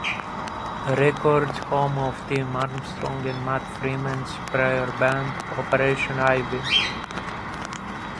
Records, home of Tim Armstrong and Matt Freeman's prior band, Operation Ivy.